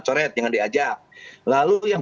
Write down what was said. coret jangan diajak lalu yang